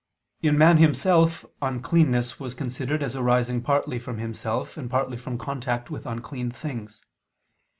In man himself uncleanness was considered as arising partly from himself and partly from contact with unclean things.